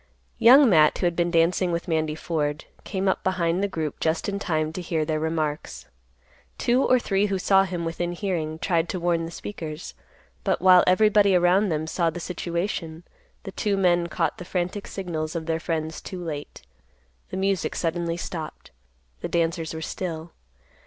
Young Matt, who had been dancing with Mandy Ford, came up behind the group just in time to hear their remarks. Two or three who saw him within hearing tried to warn the speakers, but while everybody around them saw the situation, the two men caught the frantic signals of their friends too late. The music suddenly stopped. The dancers were still.